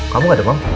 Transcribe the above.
kamu nggak demam